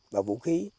và vũ khí